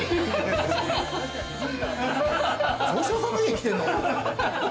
城島さんの家来てんの？